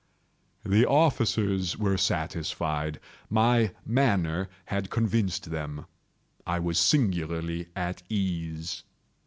The officers were satisfied. My manner had convinced them. I was singularly at ease.